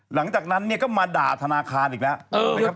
หลังจากนั้นเนี่ยก็มาด่าธนาคารอีกแล้วนะครับ